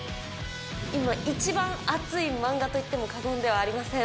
今一番熱いマンガといっても過言ではありません。